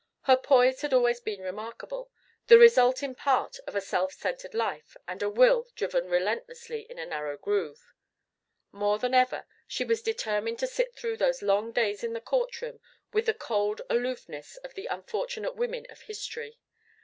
Her poise had always been remarkable, the result in part of a self centred life and a will driven relentlessly in a narrow groove. More than ever was she determined to sit through those long days in the courtroom with the cold aloofness of the unfortunate women of history.